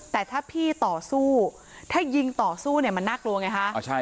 แต่ถ้าพี่ต่อสู้ถ้ายิงต่อสู้เนี่ยมันน่ากลัวไงฮะ